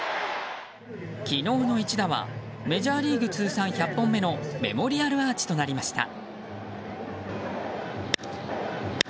昨日の一打はメジャーリーグ通算１００本目のメモリアルアーチとなりました。